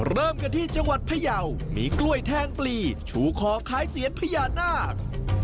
เริ่มกันที่จังหวัดพยาวมีกล้วยแทงปลีชูขอบคล้ายเสียนพญานาค